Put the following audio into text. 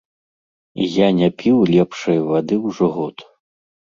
І я не піў лепшай вады ўжо год.